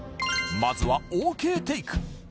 まずはＯＫテイク